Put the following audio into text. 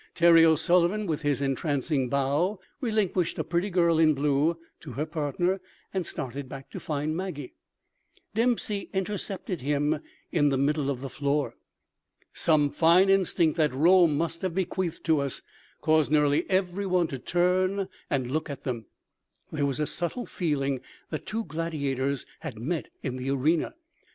Terry O'Sullivan, with his entrancing bow, relinquished a pretty girl in blue to her partner and started back to find Maggie. Dempsey intercepted him in the middle of the floor. Some fine instinct that Rome must have bequeathed to us caused nearly every one to turn and look at them—there was a subtle feeling that two gladiators had met in the arena.